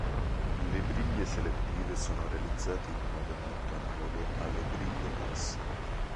Le briglie selettive sono realizzate in modo molto analogo alle briglie classiche.